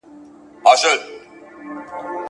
هر یوه ته خپل قسمت وي رسېدلی !.